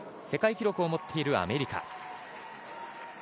世界記録を持っているアメリカ。